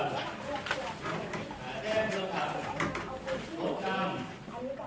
ตำรวจแห่งมือ